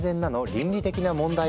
倫理的な問題は？